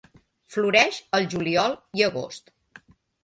Floreix al juliol i agost.